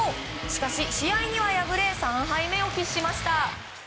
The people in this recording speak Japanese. しかし、試合には敗れ３敗目を喫しました。